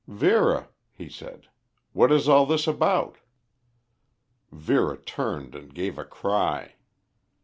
"Vera," he said. "What is all this about?" Vera turned and gave a cry.